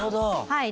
はい。